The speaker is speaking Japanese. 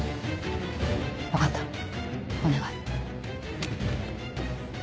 分かったお願い。